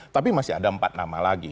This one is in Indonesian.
tapi masih ada empat nama lagi